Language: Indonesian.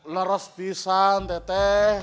leros pisan teh teh